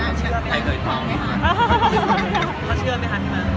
เขาเชื่อมั้ยครับพี่มัน